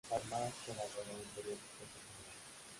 Además colaboró en periódicos nacionales.